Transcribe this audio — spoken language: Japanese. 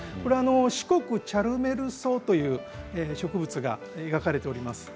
シコクチャルメルソウという植物が描かれています。